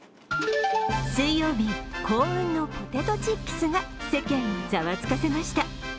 水曜日、幸運のポテトチップスが世間をざわつかせました。